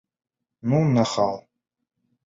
Ну, нахал.